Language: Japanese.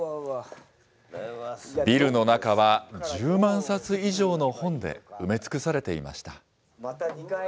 ビルの中は１０万冊以上の本で埋め尽くされていました。